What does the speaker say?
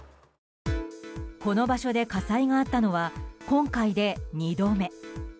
この場所で火災があったのは今回で２度目。